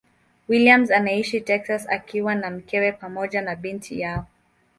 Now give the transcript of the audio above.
Williams anaishi Texas akiwa na mkewe pamoja na binti yao.